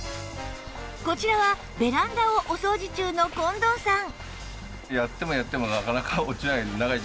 こちらはベランダをお掃除中の近藤さん